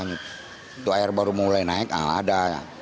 itu air baru mulai naik ada